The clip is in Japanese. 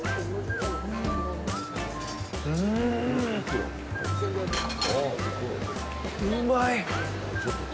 うぅん、うまいっ！